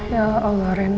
ya allah reina